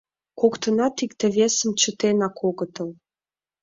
Коктынат икте-весым чытенак огытыл.